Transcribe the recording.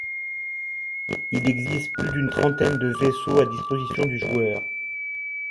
Il existe plus d'une trentaine de vaisseaux à disposition du joueur.